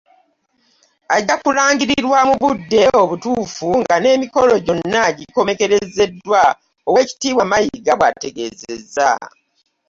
"Ajja kulangirirwa mu budde obutuufu nga n'emikolo gyonna gikomekerezeddwa.” Oweekitiibwa Mayiga bw'ategeezezza.